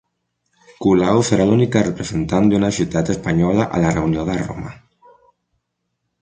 Colau serà l'única representant d'una ciutat espanyola a la reunió de Roma